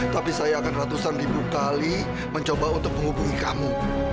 tapi saya akan ratusan ribu kali mencoba untuk menghubungi kamu